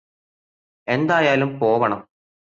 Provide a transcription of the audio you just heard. എന്തായാലും പോവണം